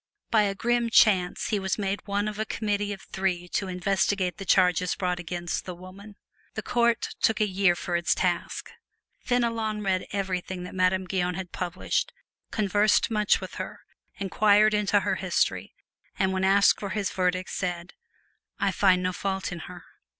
By a grim chance he was made one of a committee of three to investigate the charges brought against the woman. The court took a year for its task. Fenelon read everything that Madame Guyon had published, conversed much with her, inquired into her history and when asked for his verdict said, "I find no fault in her."